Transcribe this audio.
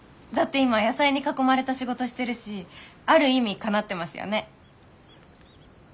だって今野菜に囲まれた仕事してるしある意味かなってますよね。